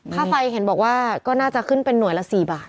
ค่าไฟเห็นบอกว่าก็น่าจะขึ้นเป็นหน่วยละ๔บาท